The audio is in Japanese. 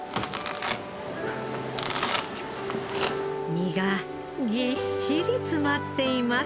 身がぎっしり詰まっています。